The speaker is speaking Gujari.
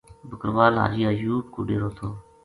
بکروال حاجی ایوب کو ڈیرو تھو۔